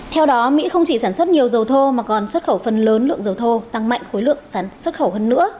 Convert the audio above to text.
theo đó mỹ không chỉ sản xuất nhiều dầu thô mà còn xuất khẩu phần lớn lượng dầu thô tăng mạnh khối lượng xuất khẩu hơn nữa